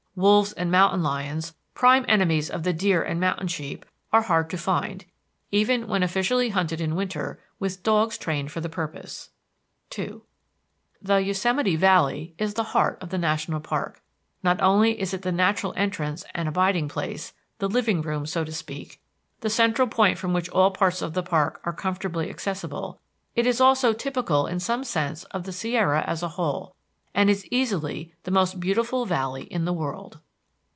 Wolves and mountain lions, prime enemies of the deer and mountain sheep, are hard to find, even when officially hunted in the winter with dogs trained for the purpose. II The Yosemite Valley is the heart of the national park. Not only is it the natural entrance and abiding place, the living room, so to speak, the central point from which all parts of the park are most comfortably accessible; it is also typical in some sense of the Sierra as a whole, and is easily the most beautiful valley in the world.